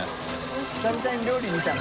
久々に料理見たな。